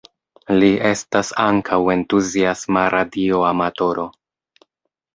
Li estas ankaŭ entuziasma radio amatoro.